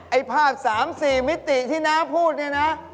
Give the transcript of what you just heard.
ไอ้ภาพ๓๔มิติที่น้าพูดเนี่ยนะ